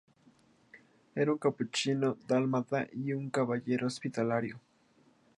Era un capuchino dálmata y un caballero hospitalario.